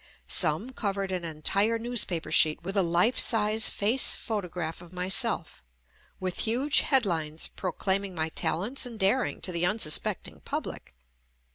Some covered an entire newspaper sheet with a life size face photograph of myself, with huge headlines proclaiming my talents and daring to the unsuspecting public.